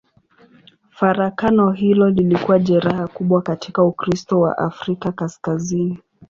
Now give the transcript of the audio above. Farakano hilo lilikuwa jeraha kubwa katika Ukristo wa Afrika Kaskazini.